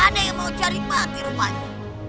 ada yang mau cari bakti rupanya